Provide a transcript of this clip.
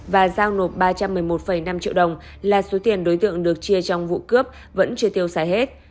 và giao nộp ba trăm một mươi một năm triệu đồng là số tiền đối tượng được chia trong vụ cướp vẫn chưa tiêu xài hết